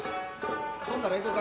そんなら行こか。